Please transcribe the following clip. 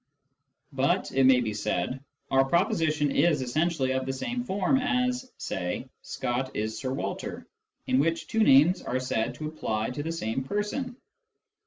But, it may be said, our proposition is essentially of the same form as (say) " Scott is Sir Walter," in which two names are said to apply to the same person.